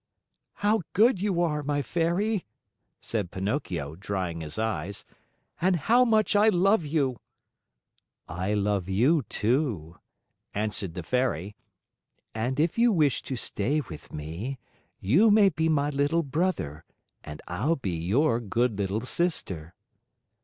"How good you are, my Fairy," said Pinocchio, drying his eyes, "and how much I love you!" "I love you, too," answered the Fairy, "and if you wish to stay with me, you may be my little brother and I'll be your good little sister."